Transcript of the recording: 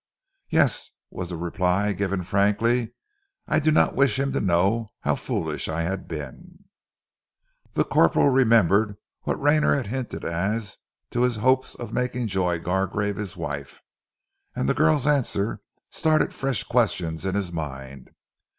"Yes," was the reply, given frankly. "I did not wish him to know how foolish I had been." The corporal remembered what Rayner had hinted as to his hopes of making Joy Gargrave his wife, and the girl's answer started fresh questions in his mind.